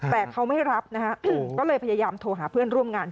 แต่เขาไม่รับนะฮะก็เลยพยายามโทรหาเพื่อนร่วมงาน